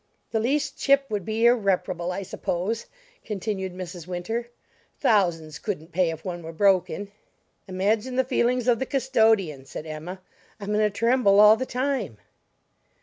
"The least chip would be irreparable, I suppose," continued Mrs. Winter, "thousands couldn't pay if one were broken!" "Imagine the feelings of the custodian," said Emma. "I'm in a tremble all the time."